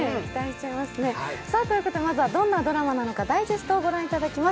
まずはどんなドラマなのかダイジェストをご覧いただきます。